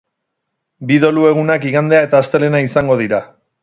Bi dolu-egunak igandea eta astelehena izango dira.